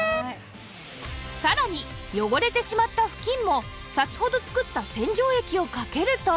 さらに汚れてしまった布巾も先ほど作った洗浄液をかけると